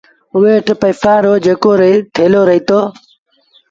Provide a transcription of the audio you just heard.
اُئي وٽ پئيسآݩ رو جيڪو ٿيلو رهيٚتو